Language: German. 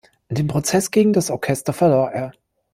Den Prozess gegen das Orchester verlor er.